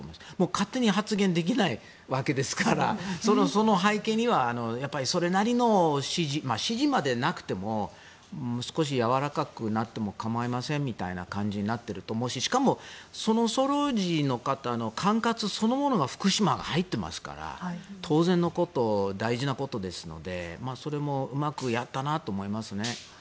勝手に発言できないわけですからその背景にはそれなりの指示指示までなくても少しやわらかくなっても構いませんみたいな感じになっていると思うししかも、その総領事の方の管轄そのものが福島が入っていますから当然のこと、大事なことですのでそれもうまくやったなと思いますね。